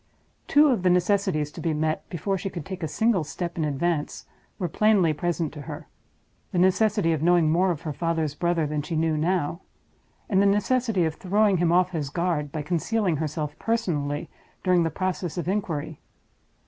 Two of the necessities to be met, before she could take a single step in advance, were plainly present to her—the necessity of knowing more of her father's brother than she knew now; and the necessity of throwing him off his guard by concealing herself personally during the process of inquiry.